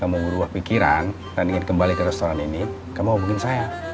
kamu merubah pikiran dan ingin kembali ke restoran ini kamu hubungin saya